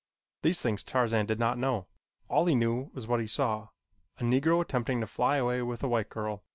These things Tarzan did not know. All he knew was what he saw a Negro attempting to fly away with a white girl.